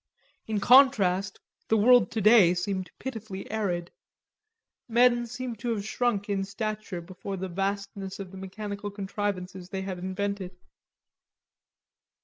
In contrast, the world today seemed pitifully arid. Men seemed to have shrunk in stature before the vastness of the mechanical contrivances they had invented.